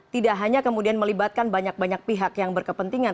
tidak hanya kemudian melibatkan banyak banyak pihak yang berkepentingan